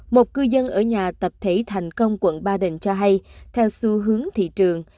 một cư dân ở nhà tập thể thành công quận ba đình cho hay theo xu hướng thị trường